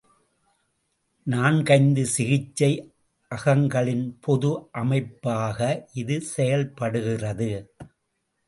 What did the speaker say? நான்கைந்து சிகிச்சை அகங்களின பொது அமைப்பாக இது செயல்படுகிறது.